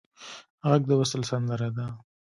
غږ د وصل سندره ده